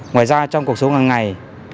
ngoài ra trong cuộc sống hàng ngày